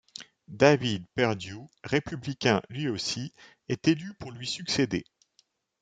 David Perdue, républicain lui aussi, est élu pour lui succéder.